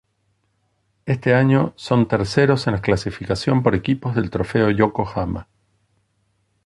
Este año son terceros en las clasificación por equipos del trofeo Yokohama.